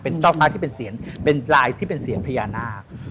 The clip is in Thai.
เป็นช่อฟ้าที่เป็นลายที่เป็นเสียญพญานาค